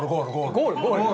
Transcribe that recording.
ゴール？